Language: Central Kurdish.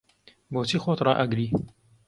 بۆچی خۆت ڕائەگری؟